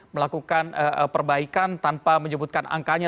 melakukan perbaikan tanpa menyebutkan angkanya